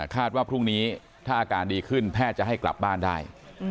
ว่าพรุ่งนี้ถ้าอาการดีขึ้นแพทย์จะให้กลับบ้านได้